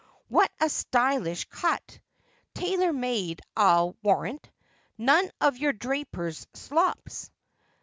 ' What a stylish cut ! tailor made, I'll wan ant. Xone of your draper's slops.'